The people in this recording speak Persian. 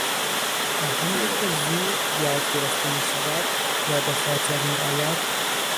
آهنگی که زود یاد گرفته میشود یا به خاطر میآید